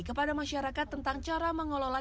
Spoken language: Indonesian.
kepada masyarakat tentang cara mengelola